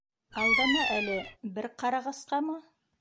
— Алдама әле, бер ҡарағасҡамы?